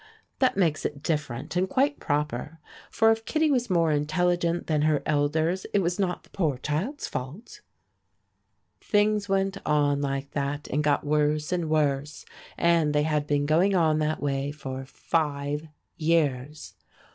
That makes it different and quite proper. For if Kittie was more intelligent than her elders it was not the poor child's fault. Things went on like that and got worse and worse, and they had been going on that way for five years.